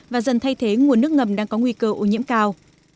và dần thay thế nguồn nước ngầm đang có nguy cơ ô nhiễm cao